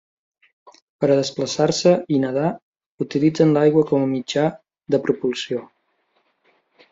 Per a desplaçar-se i nedar utilitzen l'aigua com a mitjà de propulsió.